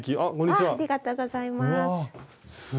ありがとうございます。